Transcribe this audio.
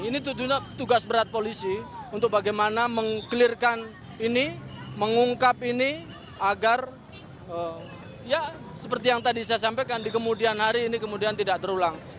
ini tujuannya tugas berat polisi untuk bagaimana meng clearkan ini mengungkap ini agar ya seperti yang tadi saya sampaikan di kemudian hari ini kemudian tidak terulang